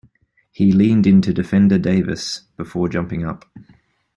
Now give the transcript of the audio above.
He leaned into defender Davis before jumping up.